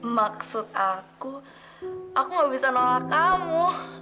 maksud aku aku gak bisa nolak kamu